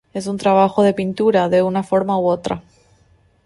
Es un trabajo de pintura, de una forma u otra.